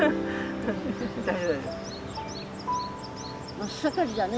真っ盛りだね。